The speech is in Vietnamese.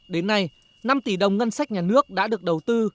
đến nay năm tỷ đồng ngân sách nhà nước đã được đầu tư